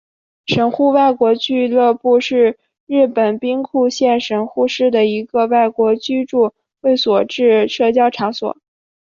神户外国俱乐部是日本兵库县神户市的一个外国居民会员制社交场所。